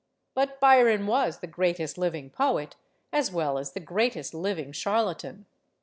But Byron was the greatest living poet, as well as the greatest living charlatan.